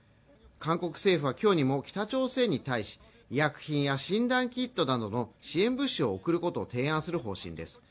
韓国政府はきょうにも北朝鮮に対し医薬品や診断キットなどの支援物資を送ることを提案する方針です